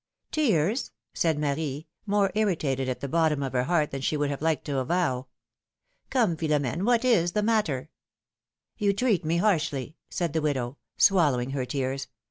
Tears said Marie, more irritated at the bottom of her heart than she would have liked to avow. Come, Philom^ne, what is the matter?^' ^^You treat me harshly said the widow, swallowing her tears.